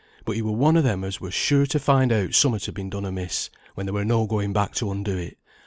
But he were one o' them as were sure to find out somewhat had been done amiss, when there were no going back to undo it.